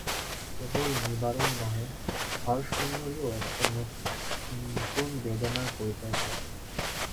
কেবল নিবারণ নহে, হরসুন্দরীও একটা নূতন বেদনার পরিচয় পাইল।